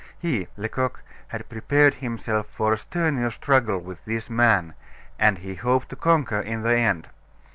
He Lecoq had prepared himself for a strenuous struggle with this man, and he hoped to conquer in the end.